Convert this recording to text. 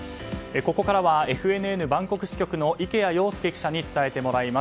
ここからはＦＮＮバンコク支局の池谷庸介記者に伝えてもらいます。